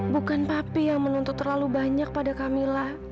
bukan papi yang menuntut terlalu banyak pada kak mila